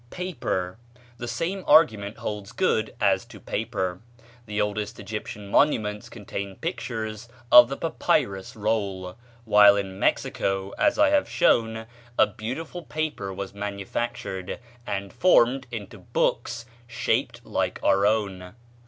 Paper. The same argument holds good as to paper. The oldest Egyptian monuments contain pictures of the papyrus roll; while in Mexico, as I have shown, a beautiful paper was manufactured and formed into books shaped like our own.